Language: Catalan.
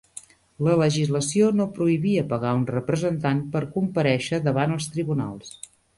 La legislació no prohibia pagar un representant per comparèixer davant els tribunals.